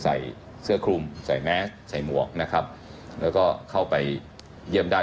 ใส่เสื้อคลุมใส่แมสใส่หมวกนะครับแล้วก็เข้าไปเยี่ยมได้